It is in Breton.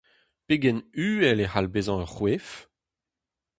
Pegen uhel e c'hall bezañ ur c'hoef ?